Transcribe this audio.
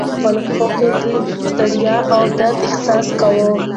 سړی په خپلو پښو کې د ستړیا او درد احساس کاوه.